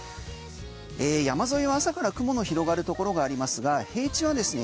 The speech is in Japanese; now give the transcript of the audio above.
山沿いは朝から雲の広がるところがありますが平地はですね